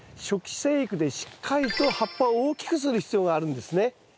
初期生育でしっかりと葉っぱを大きくする必要があるんですね。